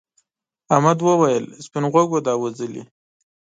احمد وویل سپین غوږو دا وژلي.